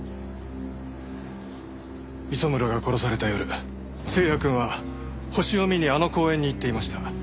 磯村が殺された夜星也くんは星を見にあの公園に行っていました。